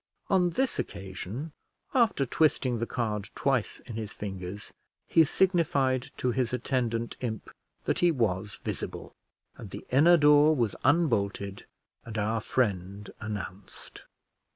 On this occasion, after twisting the card twice in his fingers, he signified to his attendant imp that he was visible; and the inner door was unbolted, and our friend announced.